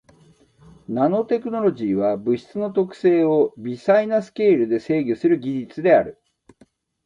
ナノテクノロジーは物質の特性を微細なスケールで制御する技術である。